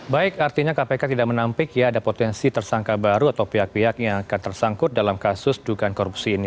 baik artinya kpk tidak menampik ya ada potensi tersangka baru atau pihak pihak yang akan tersangkut dalam kasus dugaan korupsi ini